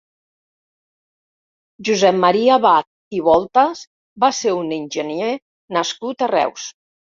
Josep Maria Bach i Voltas va ser un enginyer nascut a Reus.